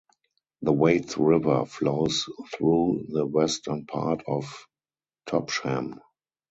The Waits River flows through the western part of Topsham.